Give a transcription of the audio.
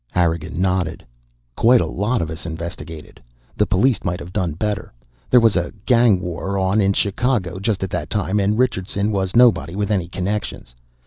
Harrigan nodded. "Quite a lot of us investigated. The police might have done better. There was a gang war on in Chicago just at that time, and Richardson was nobody with any connections.